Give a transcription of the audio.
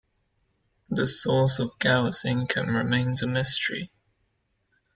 The source of Gower's income remains a mystery.